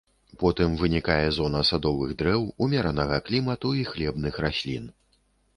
Потым вынікае зона садовых дрэў умеранага клімату і хлебных раслін.